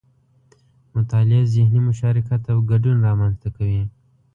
مطالعه ذهني مشارکت او ګډون رامنځته کوي